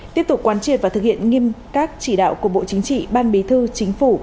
tiếp tục quán triệt và thực hiện nghiêm các chỉ đạo của bộ chính trị ban bí thư chính phủ